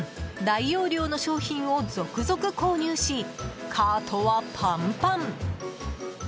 大容量の商品を続々購入し、カートはパンパン！